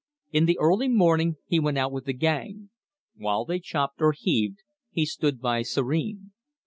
In the early morning he went out with the gang. While they chopped or heaved, he stood by serene.